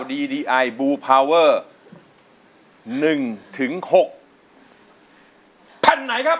ดีดีไอบูพาวเวอร์หนึ่งถึงหกแผ่นไหนครับ